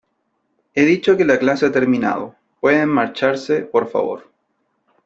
he dicho que la clase ha terminado . pueden marcharse , por favor .